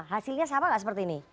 hasilnya sama nggak seperti ini